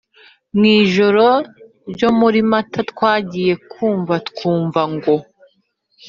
mwijoro ryo muri mata twagiye kumva twumva ngo